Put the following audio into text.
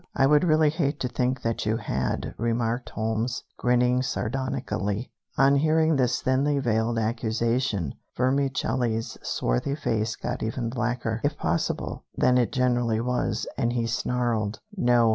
I would really hate to think that you had," remarked Holmes, grinning sardonically. On hearing this thinly veiled accusation Vermicelli's swarthy face got even blacker, if possible, than it generally was, and he snarled: "No.